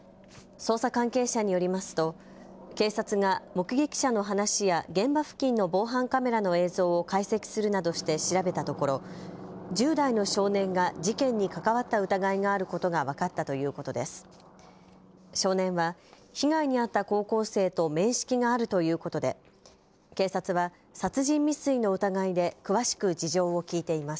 捜査関係者によりますと警察が目撃者の話や現場付近の防犯カメラの映像を解析するなどして調べたところ１０代の少年が事件に関わった疑いがあることが分かったということです。